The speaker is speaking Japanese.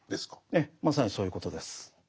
ええまさにそういうことです。